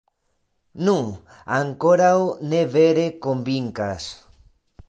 Nu, ankoraŭ ne vere konvinkas.